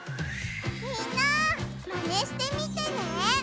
みんなマネしてみてね！